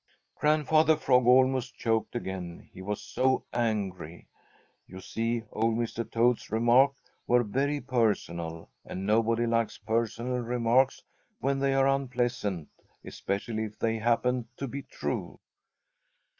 Grandfather Frog almost choked again, he was so angry. You see old Mr. Toad's remarks were very personal, and nobody likes personal remarks when they are unpleasant, especially if they happen to be true.